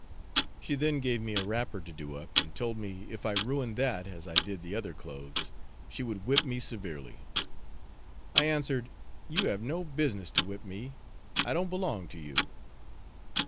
She then gave me a wrapper to do up, and told me if I ruined that as I did the other clothes, she would whip me severely. I answered, "You have no business to whip me. I don't belong to you."